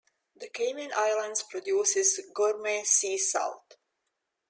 The Cayman Islands produces gourmet sea salt.